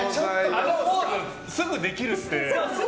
あのポーズすぐできるって。